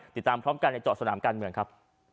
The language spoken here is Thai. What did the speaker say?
ติดตามพร้อมกันในเจาะสนามการเมืองครับ